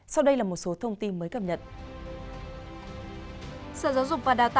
sau đây là một số thông tin mới cập nhật